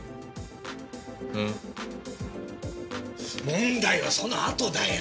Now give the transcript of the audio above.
問題はそのあとだよ。